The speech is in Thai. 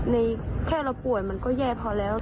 ในแค่เราป่วยมันก็แย่พอแล้ว